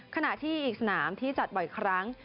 ขณะที่อีกสนามที่จัดบ่อยครั้ง